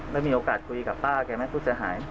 ไม่มีโอกาสคุยกับป้าแกไหมพูดจะหาย